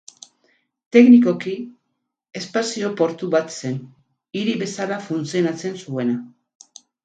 Teknikoki espazio portu bat zen, hiri bezala funtzionatzen zuena.